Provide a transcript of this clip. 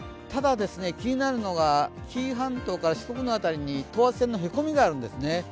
ただ気になるのが紀伊半島から四国の辺りに等圧線のへこみがあるんですね。